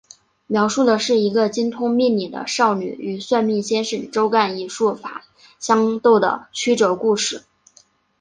描述的是一个精通命理的少女与算命先生周干以术法相斗的曲折故事。